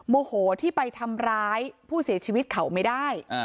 โมโหที่ไปทำร้ายผู้เสียชีวิตเขาไม่ได้